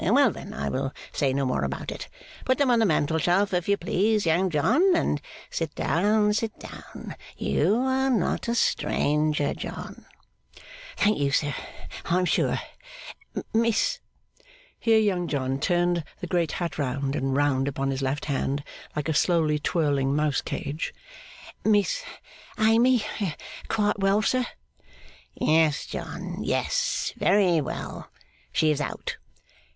Well then, I will say no more about it. Put them on the mantelshelf, if you please, Young John. And sit down, sit down. You are not a stranger, John.' 'Thank you, sir, I am sure Miss;' here Young John turned the great hat round and round upon his left hand, like a slowly twirling mouse cage; 'Miss Amy quite well, sir?' 'Yes, John, yes; very well. She is out.